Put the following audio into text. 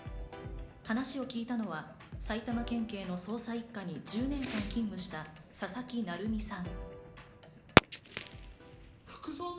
話を聞いたのは埼玉県警の捜査一課に１０年間勤務した、佐々木成三さん。